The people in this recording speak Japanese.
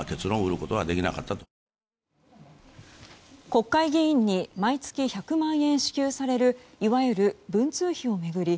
国会議員に毎月１００万円支給されるいわゆる文通費を巡り